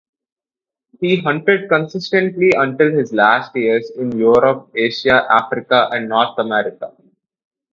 He hunted consistently until his last years, in Europe, Asia, Africa and North America.